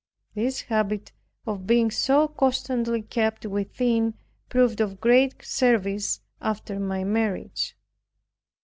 This habit of being so constantly kept within, proved of great service after my marriage.